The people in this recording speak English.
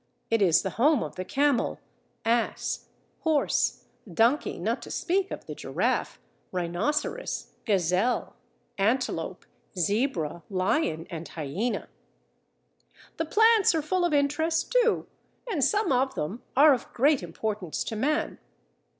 It is the home of the camel, ass, horse, donkey, not to speak of the giraffe, rhinoceros, gazelle, antelope, zebra, lion, and hyena. The plants are full of interest too, and some of them are of great importance to man.